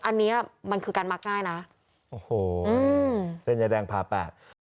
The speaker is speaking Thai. อันนี้มันคือการมักง่ายนะโอ้โหอืมเส้นยายแดงผ่าแปด